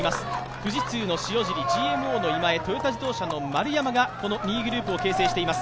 富士通の塩尻、ＧＭＯの今江、トヨタ自動車の丸山が２位グループを形成しています。